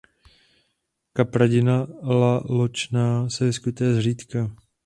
Kapradina laločnatá se vyskytuje zřídka.